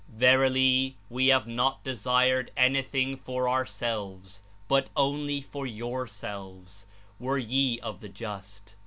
"Verily, We have not desired anything for our selves, but only for yourselves, were ye of the just.